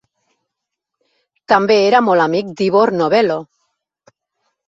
També era molt amic d'Ivor Novello.